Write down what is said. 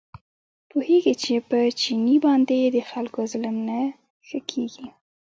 پوهېږي چې په چیني باندې د خلکو ظلم نه ښه کېږي.